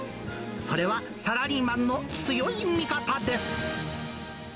それは、サラリーマンの強い味方です。